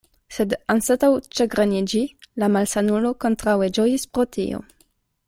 Sed anstataŭ ĉagreniĝi, la malsanulo kontraŭe ĝojis pro tio.